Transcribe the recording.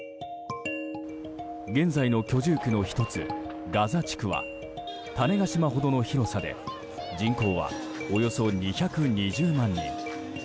現在の居住区の１つガザ地区は種子島ほどの広さで人口はおよそ２２０万人。